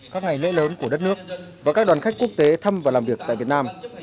các ngày lễ lớn của đất nước và các đoàn khách quốc tế thăm và làm việc tại việt nam